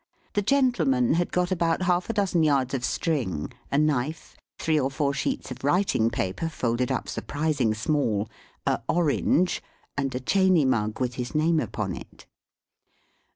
The gentleman had got about half a dozen yards of string, a knife, three or four sheets of writing paper folded up surprising small, a orange, and a Chaney mug with his name upon it.